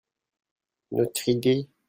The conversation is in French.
Notre idée